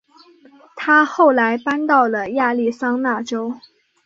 她后来搬到了亚利桑那州。